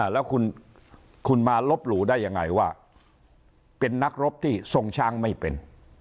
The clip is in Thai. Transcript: แล้วคุณมาลบหลู่ได้ยังไงว่าเป็นนักรบที่ทรงช้างไม่เป็น